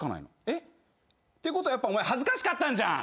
えっ？ってことはやっぱお前恥ずかしかったんじゃん。